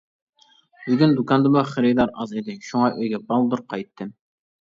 بۈگۈن دۇكاندىمۇ خېرىدار ئاز ئىدى شۇڭا ئۆيگە بالدۇر قايتتىم.